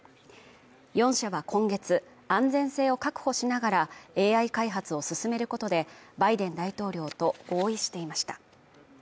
４社は今月、安全性を確保しながらＡＩ開発を進めることでバイデン大統領と合意していました